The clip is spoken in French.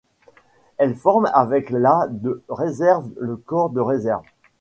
Elle forme avec la de réserve le corps de réserve.